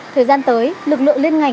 thời gian tới lực lượng lên